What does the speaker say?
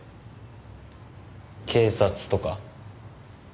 警察とか？